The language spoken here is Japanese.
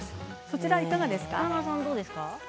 そちらはいかがですか？